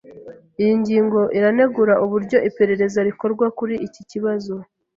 Iyi ngingo iranegura uburyo iperereza rikorwa kuri iki kibazo.